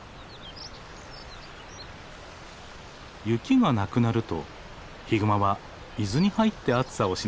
雪がなくなるとヒグマは水に入って暑さをしのぎます。